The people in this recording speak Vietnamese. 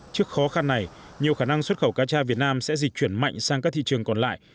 trước khó khăn này nhiều khả năng xuất khẩu cá tra việt nam sẽ dịch chuyển mạnh sang các thị trường còn lại